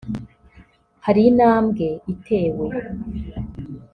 hari intambwe itewe